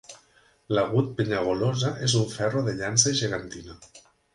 L'agut Penyagolosa és un ferro de llança gegantina.